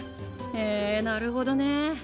へえなるほどね。